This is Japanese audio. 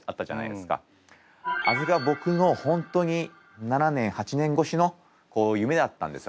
あれが僕の本当に７年８年越しの夢だったんですよね。